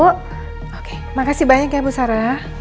terima kasih banyak ya bu sarah